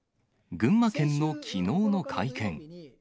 群馬県のきのうの会見。